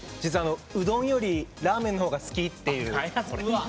うどんよりラーメンのほうが好きって。